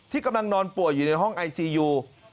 กำลังนอนป่วยอยู่ในห้องไอซียู